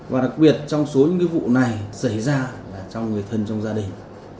và đặc biệt trong số những vụ này xảy ra là trong người thân trong gia đình